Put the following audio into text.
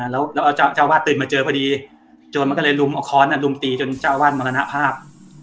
แล้วเจ้าวาดตื่นมาเจอพอดีโจรมันก็เลยลุมเอาค้อนรุมตีจนเจ้าวาดมรณภาพ